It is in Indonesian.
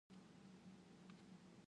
Telah dijual maka dibeli